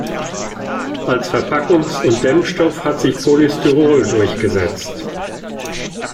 Als Verpackungs- und Dämmstoff hat sich Polystyrol durchgesetzt.